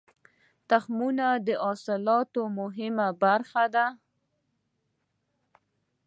تخمونه د حاصلاتو مهمه برخه ده.